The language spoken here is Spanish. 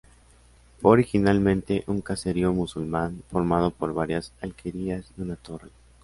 Fue originalmente un caserío musulmán, formado por varias alquerías y una torre.